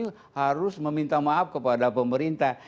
yang harus meminta maaf kepada pemerintah